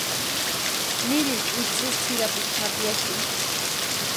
Nirini itsï tsʼirapiti ma piachini.